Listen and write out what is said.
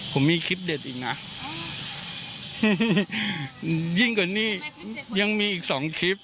ผมมีคลิปเด็ดอีกนะยิ่งกว่านี้ยังมีอีกสองคลิป